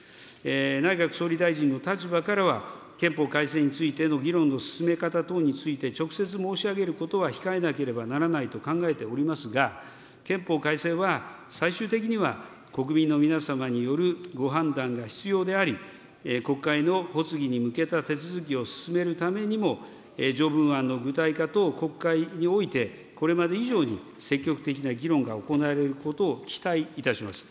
内閣総理大臣の立場からは、憲法改正についての議論の進め方等について直接申し上げることは控えなければならないと考えておりますが、憲法改正は、最終的には、国民の皆様によるご判断が必要であり、国会の発議に向けた手続きを進めるためにも、条文案の具体化等、国会において、これまで以上に積極的な議論が行われることを期待いたします。